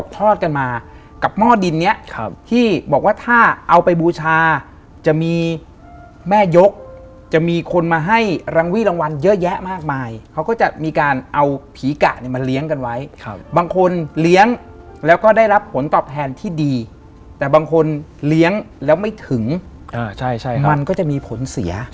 ตอนช่วงกลางคืนเนี่ย